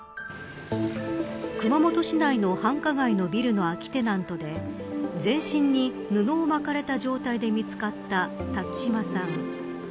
熊本市内の繁華街のビルの空きテナントで全身に布を巻かれた状態で見つかった辰島さん。